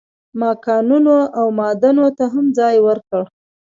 ما کانونو او معادنو ته هم ځای ورکړ.